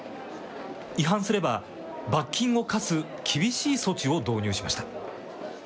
違反すれば罰金を科す厳しい措置を導入しました。